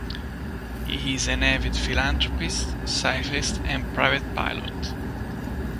He is an avid philanthropist, cyclist, and private pilot.